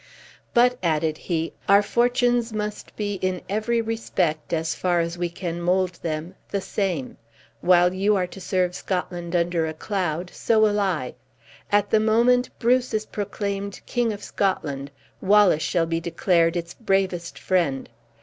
"But," added he, "our fortunes must be in every respect, as far as we can mold them, the same. While you are to serve Scotland under a cloud, so will I. At the moment Bruce is proclaimed King of Scotland, Wallace shall be declared its bravest friend.